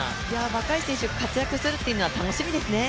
若い選手活躍するっていうのは楽しみですね。